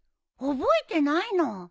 覚えてないの？